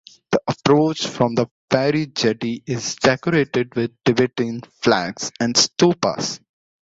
The approach from the ferry jetty is decorated with Tibetan flags and stupas.